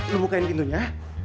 lo bukain pintunya